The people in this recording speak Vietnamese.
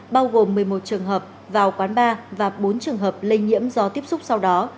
bao gồm một mươi một trường hợp vào quán bar và bốn trường hợp lây nhiễm do tiếp xúc sau đó